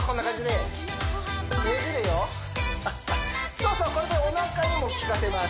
そうそうこれでおなかにもきかせます